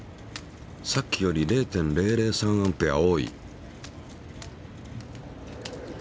さっきより０．００３Ａ多い。